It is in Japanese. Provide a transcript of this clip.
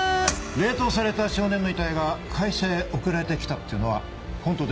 冷凍された少年の遺体が会社へ送られて来たっていうのは本当ですか？